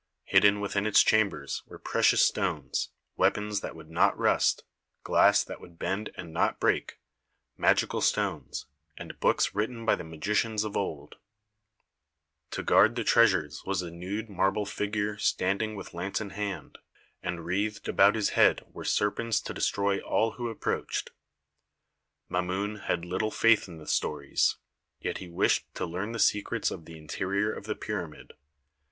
Hidden within its chambers were pre cious stones, weapons that would not rust, glass that would bend and not break, magical stones, and books written by the magicians of old. To THE PYRAMID OF KHUFU 23 guard the treasures was a nude marble figure standing with lance in hand, and wreathed about his head were serpents to destroy all who ap proached. Mamun had little faith in the stories, yet he wished to learn the secrets of the interior of the pyramid.